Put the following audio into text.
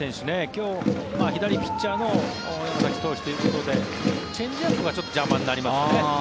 今日、左ピッチャーの投手ということでチェンジアップがちょっと邪魔になりますね。